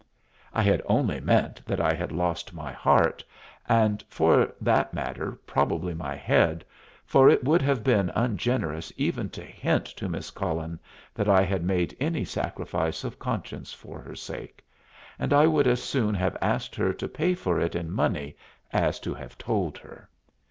I had only meant that I had lost my heart, and, for that matter, probably my head, for it would have been ungenerous even to hint to Miss Cullen that I had made any sacrifice of conscience for her sake, and I would as soon have asked her to pay for it in money as have told her.